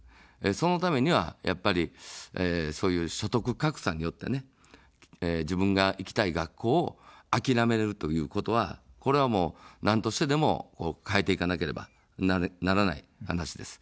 そのためには、やっぱりそういう所得格差によって自分が行きたい学校を諦めるということは、これはもうなんとしてでも、変えていかなければならない話です。